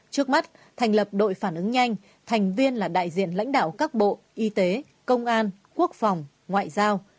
trước mắt thành lập đội phản ứng nhanh thành viên là đại diện lãnh đạo các bộ y tế công an quốc phòng ngoại giao